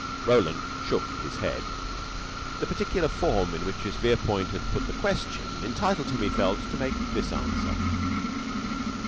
Roland shook his head. The particular form in which Miss Verepoint had put the question entitled him, he felt, to make this answer.